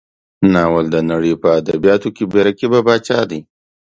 ناول د نړۍ په ادبیاتو کې بې رقیبه پاچا دی.